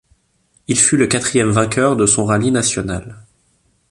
Il fut le quatrième vainqueur de son rallye national.